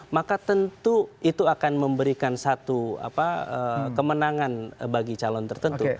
maka tentu itu akan memberikan satu kemenangan bagi calon tertentu